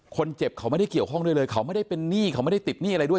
คนเจ็บเขาไม่ได้เกี่ยวข้องด้วยเลยเขาไม่ได้เป็นหนี้เขาไม่ได้ติดหนี้อะไรด้วย